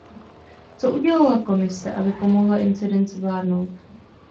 Co udělala Komise, aby pomohla incident zvládnout?